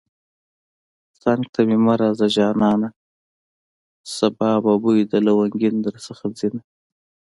څنگ ته مې مه راځه جانانه سبا به بوی د لونگين درڅخه ځينه